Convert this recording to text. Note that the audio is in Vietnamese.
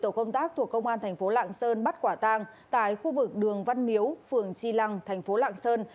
tổ công tác thuộc công an tp lạng sơn bắt quả tang tại khu vực đường văn miếu phường chi lăng tp lạng sơn